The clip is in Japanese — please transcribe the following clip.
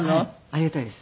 ありがたいです。